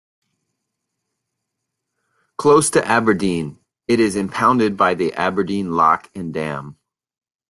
Close to Aberdeen, it is impounded by the Aberdeen Lock and Dam.